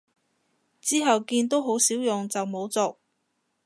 之後見都好少用就冇續